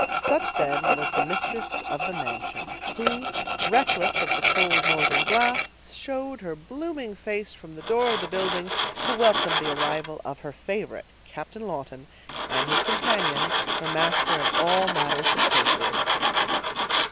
Such, then, was the mistress of the mansion, who, reckless of the cold northern blasts, showed her blooming face from the door of the building to welcome the arrival of her favorite, Captain Lawton, and his companion, her master in matters of surgery.